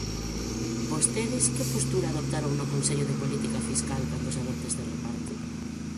¿Vostedes que postura adoptaron no Consello de Política Fiscal cando se adopta este reparto?